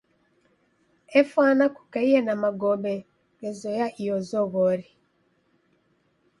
Efwana kukaie na magome ghezoya iyo zoghori.